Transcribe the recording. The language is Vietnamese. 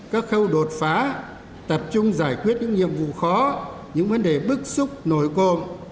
các khâu đột phá tập trung giải quyết những nhiệm vụ khó những vấn đề bức xúc nổi cộm